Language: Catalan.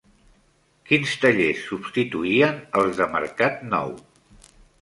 Quins tallers substituïen els de Mercat Nou?